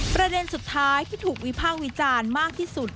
ประเด็นสุดท้ายที่ถูกวิภาควิจารณ์มากที่สุด